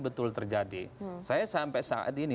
betul terjadi saya sampai saat ini